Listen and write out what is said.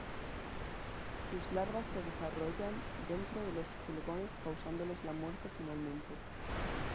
Sus larvas se desarrollan dentro de los pulgones causándoles la muerte finalmente.